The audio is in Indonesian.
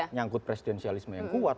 nyangkut presidensialisme yang kuat